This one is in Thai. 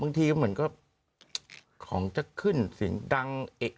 บางทีเหมือนก็ของจะขึ้นเสียงดัง